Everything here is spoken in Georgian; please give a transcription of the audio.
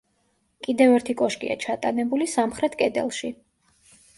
კიდევ ერთი კოშკია ჩატანებული სამხრეთ კედელში.